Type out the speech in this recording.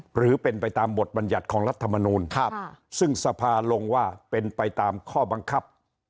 หรือเป็นไปตามบทบัญญัติของรัฐมนูลซึ่งสภาลงว่าเป็นไปตามข้อบังคับ